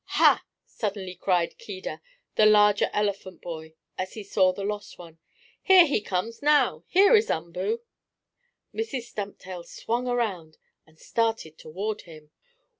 "Ha!" suddenly cried Keedah, the larger elephant boy, as he saw the lost one. "Here he comes now! Here is Umboo!" Mrs. Stumptail swung around and started toward him.